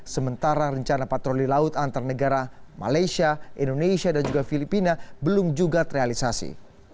sementara rencana patroli laut antar negara malaysia indonesia dan juga filipina belum juga terrealisasi